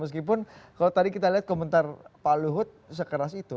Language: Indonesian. meskipun kalau tadi kita lihat komentar pak luhut sekeras itu